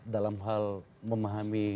dalam hal memahami tni